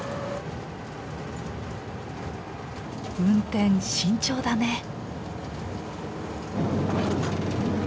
運転慎重だね。